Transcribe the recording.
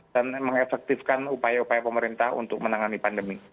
dan mengefektifkan upaya upaya pemerintah untuk menangani pandemi